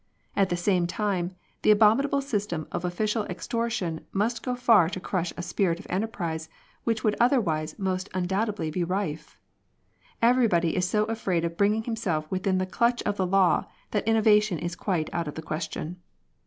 At the same time, the abominable system of official extor tion must go far to crush a spirit of enterprise which would otherwise most undoubtedly be rife. Every body is so afraid of bringing himself within the clutch of the law, that innovation is quite out of the ques tion.